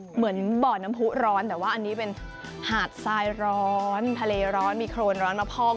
เหมือนบ่อน้ำผู้ร้อนแต่ว่าอันนี้เป็นหาดทรายร้อนทะเลร้อนมีโครนร้อนมาพอง